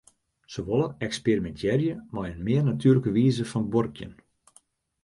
Se wolle eksperimintearje mei in mear natuerlike wize fan buorkjen.